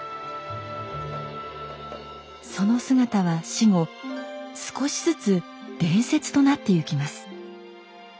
その姿は死後少しずつ伝説となってゆきます。